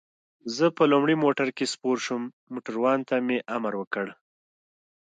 زه په لومړي موټر کې سپور شوم، موټروان ته مې امر وکړ.